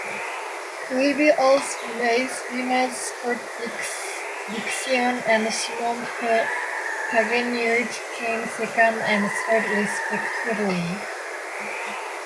Previous race winners Scott Dixon and Simon Pagenaud came second and third respectively.